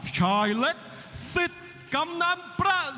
ชายเล็กสิทธิ์กำนันประสิท